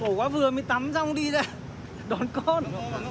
mũi quá vừa mới tắm xong đi ra đón con